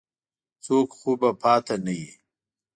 څوک خو به پاتې نه وي.